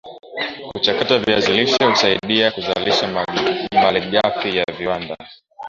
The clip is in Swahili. kuchakata viazi lishe husaidia Kuzalisha malighafi ya viwanda